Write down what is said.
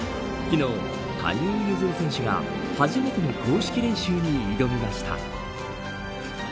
昨日、羽生結弦選手が初めての公式練習に挑みました。